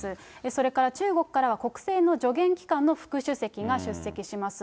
それから中国からは国政の助言機関の副主席が出席します。